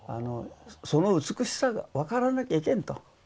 その美しさが分からなきゃいけんと。